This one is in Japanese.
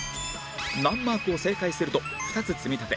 難マークを正解すると２つ積み立て